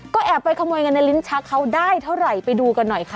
ก็แอบไปขโมยกันในลิ้นชักเขาได้เท่าไหร่ไปดูกันหน่อยค่ะ